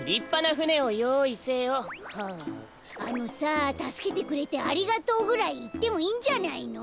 ああのさ「たすけてくれてありがとう」ぐらいいってもいいんじゃないの？